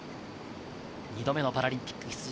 ２度目のパラリンピック出場。